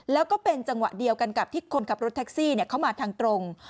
แล้วก็เป็นจังหวะเดียวกันกับที่คนขับรถแท็กซี่เข้ามาทางตรง